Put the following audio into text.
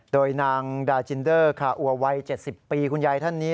โดยนางดาจินเดอร์คาอัววัย๗๐ปีคุณยายท่านนี้